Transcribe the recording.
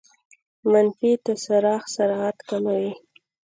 منفي تسارع سرعت کموي.